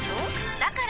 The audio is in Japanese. だから！